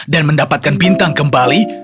dan mendapatkan bintang kembali